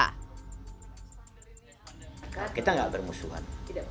kita nggak bermusuhan